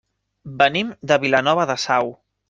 Venim de Vilanova de Sau.